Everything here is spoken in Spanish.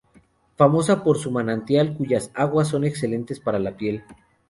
Famosa por su manantial cuyas aguas son excelentes para la piel.